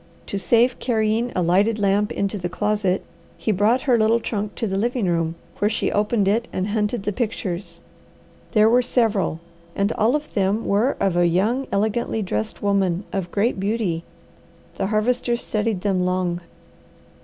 To save carrying a lighted lamp into the closet he brought her little trunk to the living room, where she opened it and hunted the pictures. There were several, and all of them were of a young, elegantly dressed woman of great beauty. The Harvester studied them long.